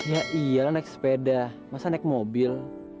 ya iyalah naik sepeda masa naik mobil